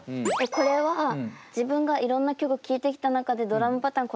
これは自分がいろんな曲聴いてきた中でドラムパターン